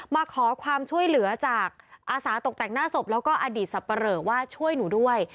มาขอความช่วยเหลือจากอาสาตกแต่งหน้าศพแล้วก็อดีตสับปะเหลอว่าช่วยหนูด้วย